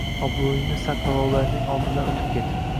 Obro‘ingni saqla va ularning oldidan o‘tib ket.